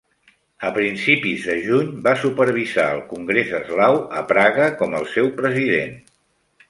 A principis de juny va supervisar el Congrés Eslau a Praga com el seu president.